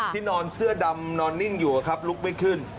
นอนเสื้อดำนอนนิ่งอยู่ลุกไม่ขึ้น